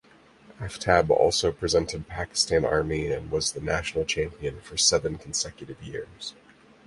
Aftab also represented Pakistan Army and was the national champion for seven consecutive years.